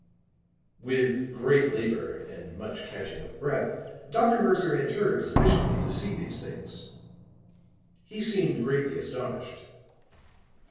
With great labor and much catching of breath Dr. Mercer had turned sufficiently to see these things. He seemed greatly astonished.